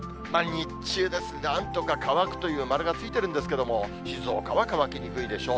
日中ですが、なんとか乾くという、〇がついてるんですが、静岡は乾きにくいでしょう。